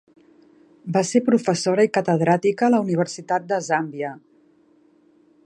Va ser professora i catedràtica a la Universitat de Zàmbia.